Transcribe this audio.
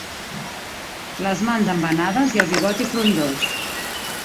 Les mans embenades i el bigoti frondós.